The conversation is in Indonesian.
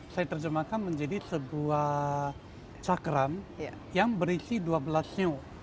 saya terjemahkan menjadi sebuah cakram yang berisi dua belas new